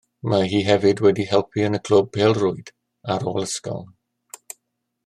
Mae hi hefyd wedi helpu yn y clwb pêl-rwyd ar ôl ysgol